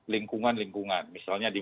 lingkungan lingkungan misalnya di